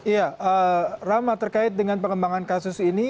ya rama terkait dengan pengembangan kasus ini